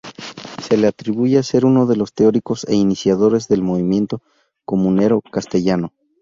Se le atribuye ser uno de los teóricos e iniciadores del movimiento comunero castellano.